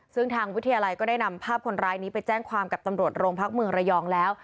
ซึ่งทางวิทยาลัยก็ได้นำภาพคนร้ายนี้ไปแจ้งความกับตำรวจโรงพักเมืองระยองแล้ว